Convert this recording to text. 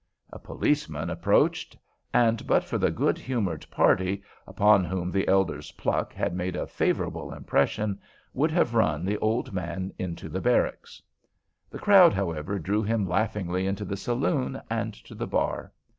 A policeman approached, and but for the good humored party, upon whom the elder's pluck had made a favorable impression, would have run the old man into the barracks. The crowd, however, drew him laughingly into the saloon and to the bar.